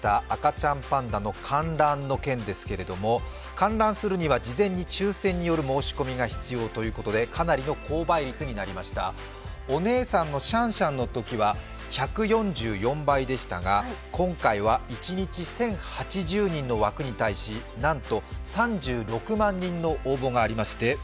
赤ちゃんパンだの観覧の件ですけれども、観覧するには事前に抽選による申し込みが必要ということでお姉さんのシャンシャンのときは１４４倍でしたが、今回は一日１０８０人の枠に対しなんと３６万人の応募がありました